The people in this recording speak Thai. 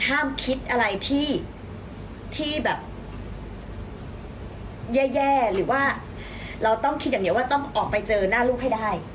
ห้ามคิดอะไรที่แบบแย่หรือว่าเราต้องคิดอย่างเดียวว่าต้องออกไปเจอหน้าลูกให้ได้